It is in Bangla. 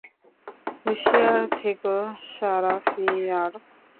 হুঁশিয়ার থেকো, সারাহ ফিয়ার।